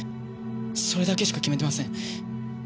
それだけしか決めてません。